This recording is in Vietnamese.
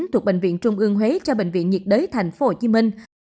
thuộc bệnh viện trung ương huế cho bệnh viện nhiệt đới tp hcm